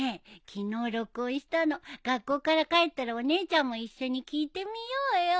昨日録音したの学校から帰ったらお姉ちゃんも一緒に聴いてみようよ。